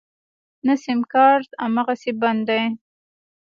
نه سيمکارټ امغسې بند دی.